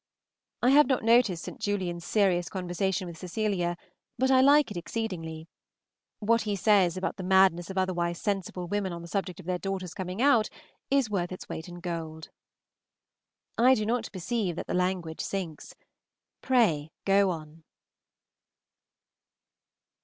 I have not noticed St. Julian's serious conversation with Cecilia, but I like it exceedingly. What he says about the madness of otherwise sensible women on the subject of their daughters coming out is worth its weight in gold. I do not perceive that the language sinks. Pray go on.